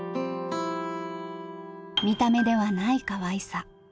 見た目ではないかわいさ。